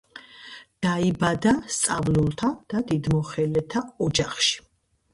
დაიბადა სწავლულთა და დიდმოხელეთა ოჯახში.